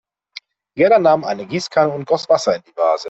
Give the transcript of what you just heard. Gerda nahm eine Gießkanne und goss Wasser in die Vase.